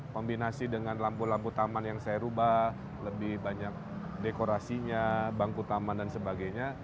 kombinasi dengan lampu lampu taman yang saya ubah lebih banyak dekorasinya bangku taman dan sebagainya